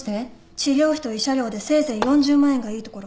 治療費と慰謝料でせいぜい４０万円がいいところ。